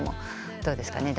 どうですかね？